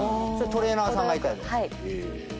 それトレーナーさんがいたり？